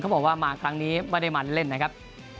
บอกว่ามาครั้งนี้ไม่ได้มาเล่นนะครับ